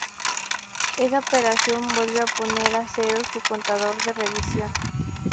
Esa operación vuelve a poner a cero su contador de revisión.